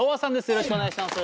よろしくお願いします。